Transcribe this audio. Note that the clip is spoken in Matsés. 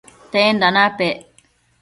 tenda napec?